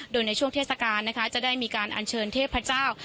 โดยในช่วงเทศกาลนะคะจะได้มีการอัญเชิญเทพเจ้า